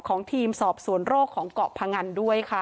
ของทีมสอบสวนโรคของเกาะพงันด้วยค่ะ